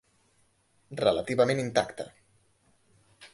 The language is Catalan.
Relativament intacta.